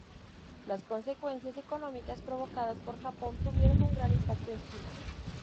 Las consecuencias económicas provocadas por Japón tuvieron un gran impacto en China.